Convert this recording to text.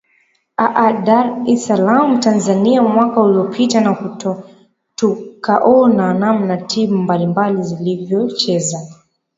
aa dar es salam tanzania mwaka uliopita na tukaona mamna timu mbalimbali zilivyocheza